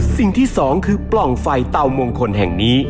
สิ่งที่สองคือปล่องไฟเตามงคลแห่งนี้